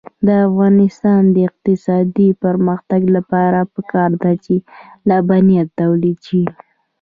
د افغانستان د اقتصادي پرمختګ لپاره پکار ده چې لبنیات تولید شي.